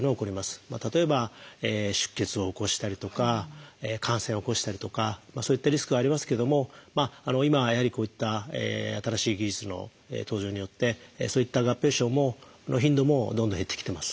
例えば出血を起こしたりとか感染を起こしたりとかそういったリスクはありますけども今やはりこういった新しい技術の登場によってそういった合併症の頻度もどんどん減ってきてます。